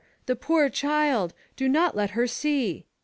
The poor child! Do not let her see!"